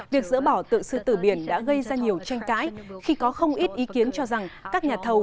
việc dỡ bỏ tượng sư tử biển đã gây ra nhiều tranh cãi khi có không ít ý kiến cho rằng các nhà thầu